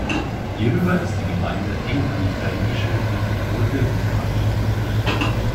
Hierüber ist die Gemeinde eng an die fränkische Metropolregion angebunden.